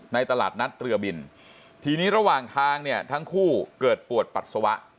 ตลาดนัดเรือบินทีนี้ระหว่างทางเนี่ยทั้งคู่เกิดปวดปัสสาวะ